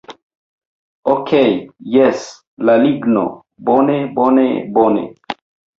Okej' jes la ligno... bone, bone, bone